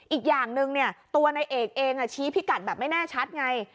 อีกอย่างหนึ่งเนี่ยตัวนายเอกเองชี้พิกัดแบบไม่แน่ชัดไง